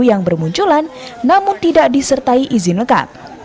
yang bermunculan namun tidak disertai izin lengkap